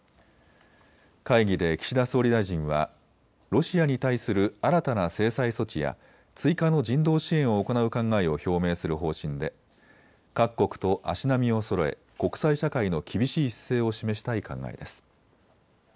会議で岸田総理大臣はロシアに対する新たな制裁措置や追加の人道支援を行う考えを表明する方針で各国と足並みをそろえ国際社会の厳しい姿勢を示したい考えです。